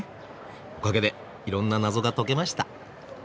おかげでいろんな謎が解けました。